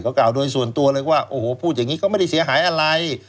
กล่าวโดยส่วนตัวเลยว่าโอ้โหพูดอย่างนี้ก็ไม่ได้เสียหายอะไร